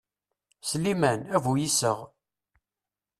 Sliman, d bu iseɣ.